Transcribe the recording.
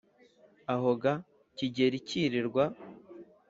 Aho ga Kigeli kirirwa